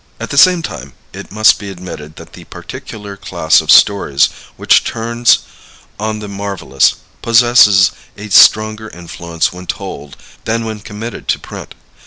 At the same time it must be admitted that the particular class of stories which turns on the marvelous, possesses a stronger influence when told than when committed to print.